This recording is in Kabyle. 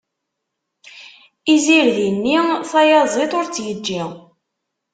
Izirdi-nni tayaziḍt ur tt-yeǧǧi.